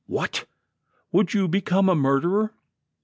" What ! Would you become a murderer